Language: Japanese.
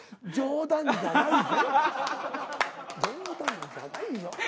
冗談じゃないよ。